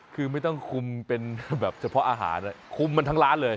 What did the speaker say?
คือไม่ต้องคุมเป็นแบบเฉพาะอาหารคุมมันทั้งร้านเลย